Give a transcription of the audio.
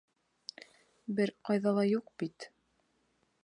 Бер ҡайҙа ла юҡ бит!